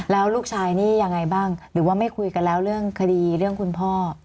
แล้วลูกชายนี่ยังไงบ้างหรือว่าไม่คุยกันแล้วเรื่องคดีเรื่องคุณพ่อ